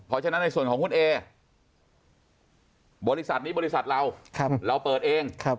เพราะฉะนั้นในส่วนของคุณเอบริษัทนี้บริษัทเราเราเปิดเอง